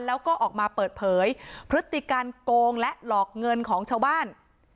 แล้วก็ออกมาเปิดเผยพฤติการโกงและหลอกเงินของชาวบ้าน